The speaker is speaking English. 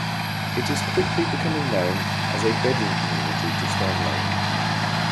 It is quickly becoming known as a "bedroom community" to Storm Lake.